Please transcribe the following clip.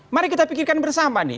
mari kita pikirkan bersama nih